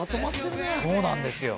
そうなんですよ。